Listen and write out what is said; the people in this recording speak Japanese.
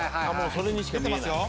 それにしか見えない。